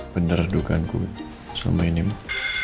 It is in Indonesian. bener dugaanku selama ini mak